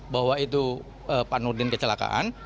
bahwa itu pak nurdin kecelakaan